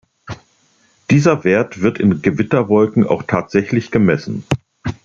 Dieser Wert wird in Gewitterwolken auch tatsächlich gemessen.